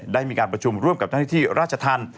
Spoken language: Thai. ได้มีการประชุมร่วมกับท่านที่ที่ราชทัน